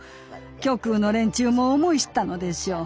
極右の連中も思い知ったのでしょう。